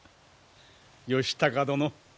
義高殿